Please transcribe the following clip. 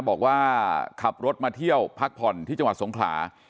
บอกว่าขับรถมาเที่ยวพักผ่อนที่จังหวัดสงขลา